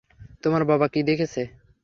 তোমার বাবা কি দেখেছে?